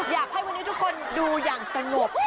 อยากให้วันนี้ทุกคนดูอย่างสงบ